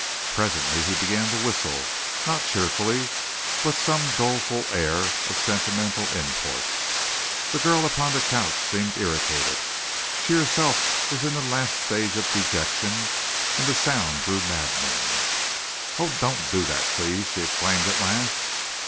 Presently he began to whistle, not cheerfully, but some doleful air of sentimental import. The girl upon the couch seemed irritated. She herself was in the last stage of dejection, and the sound grew maddening. "Oh, don't do that, please!" she exclaimed at last.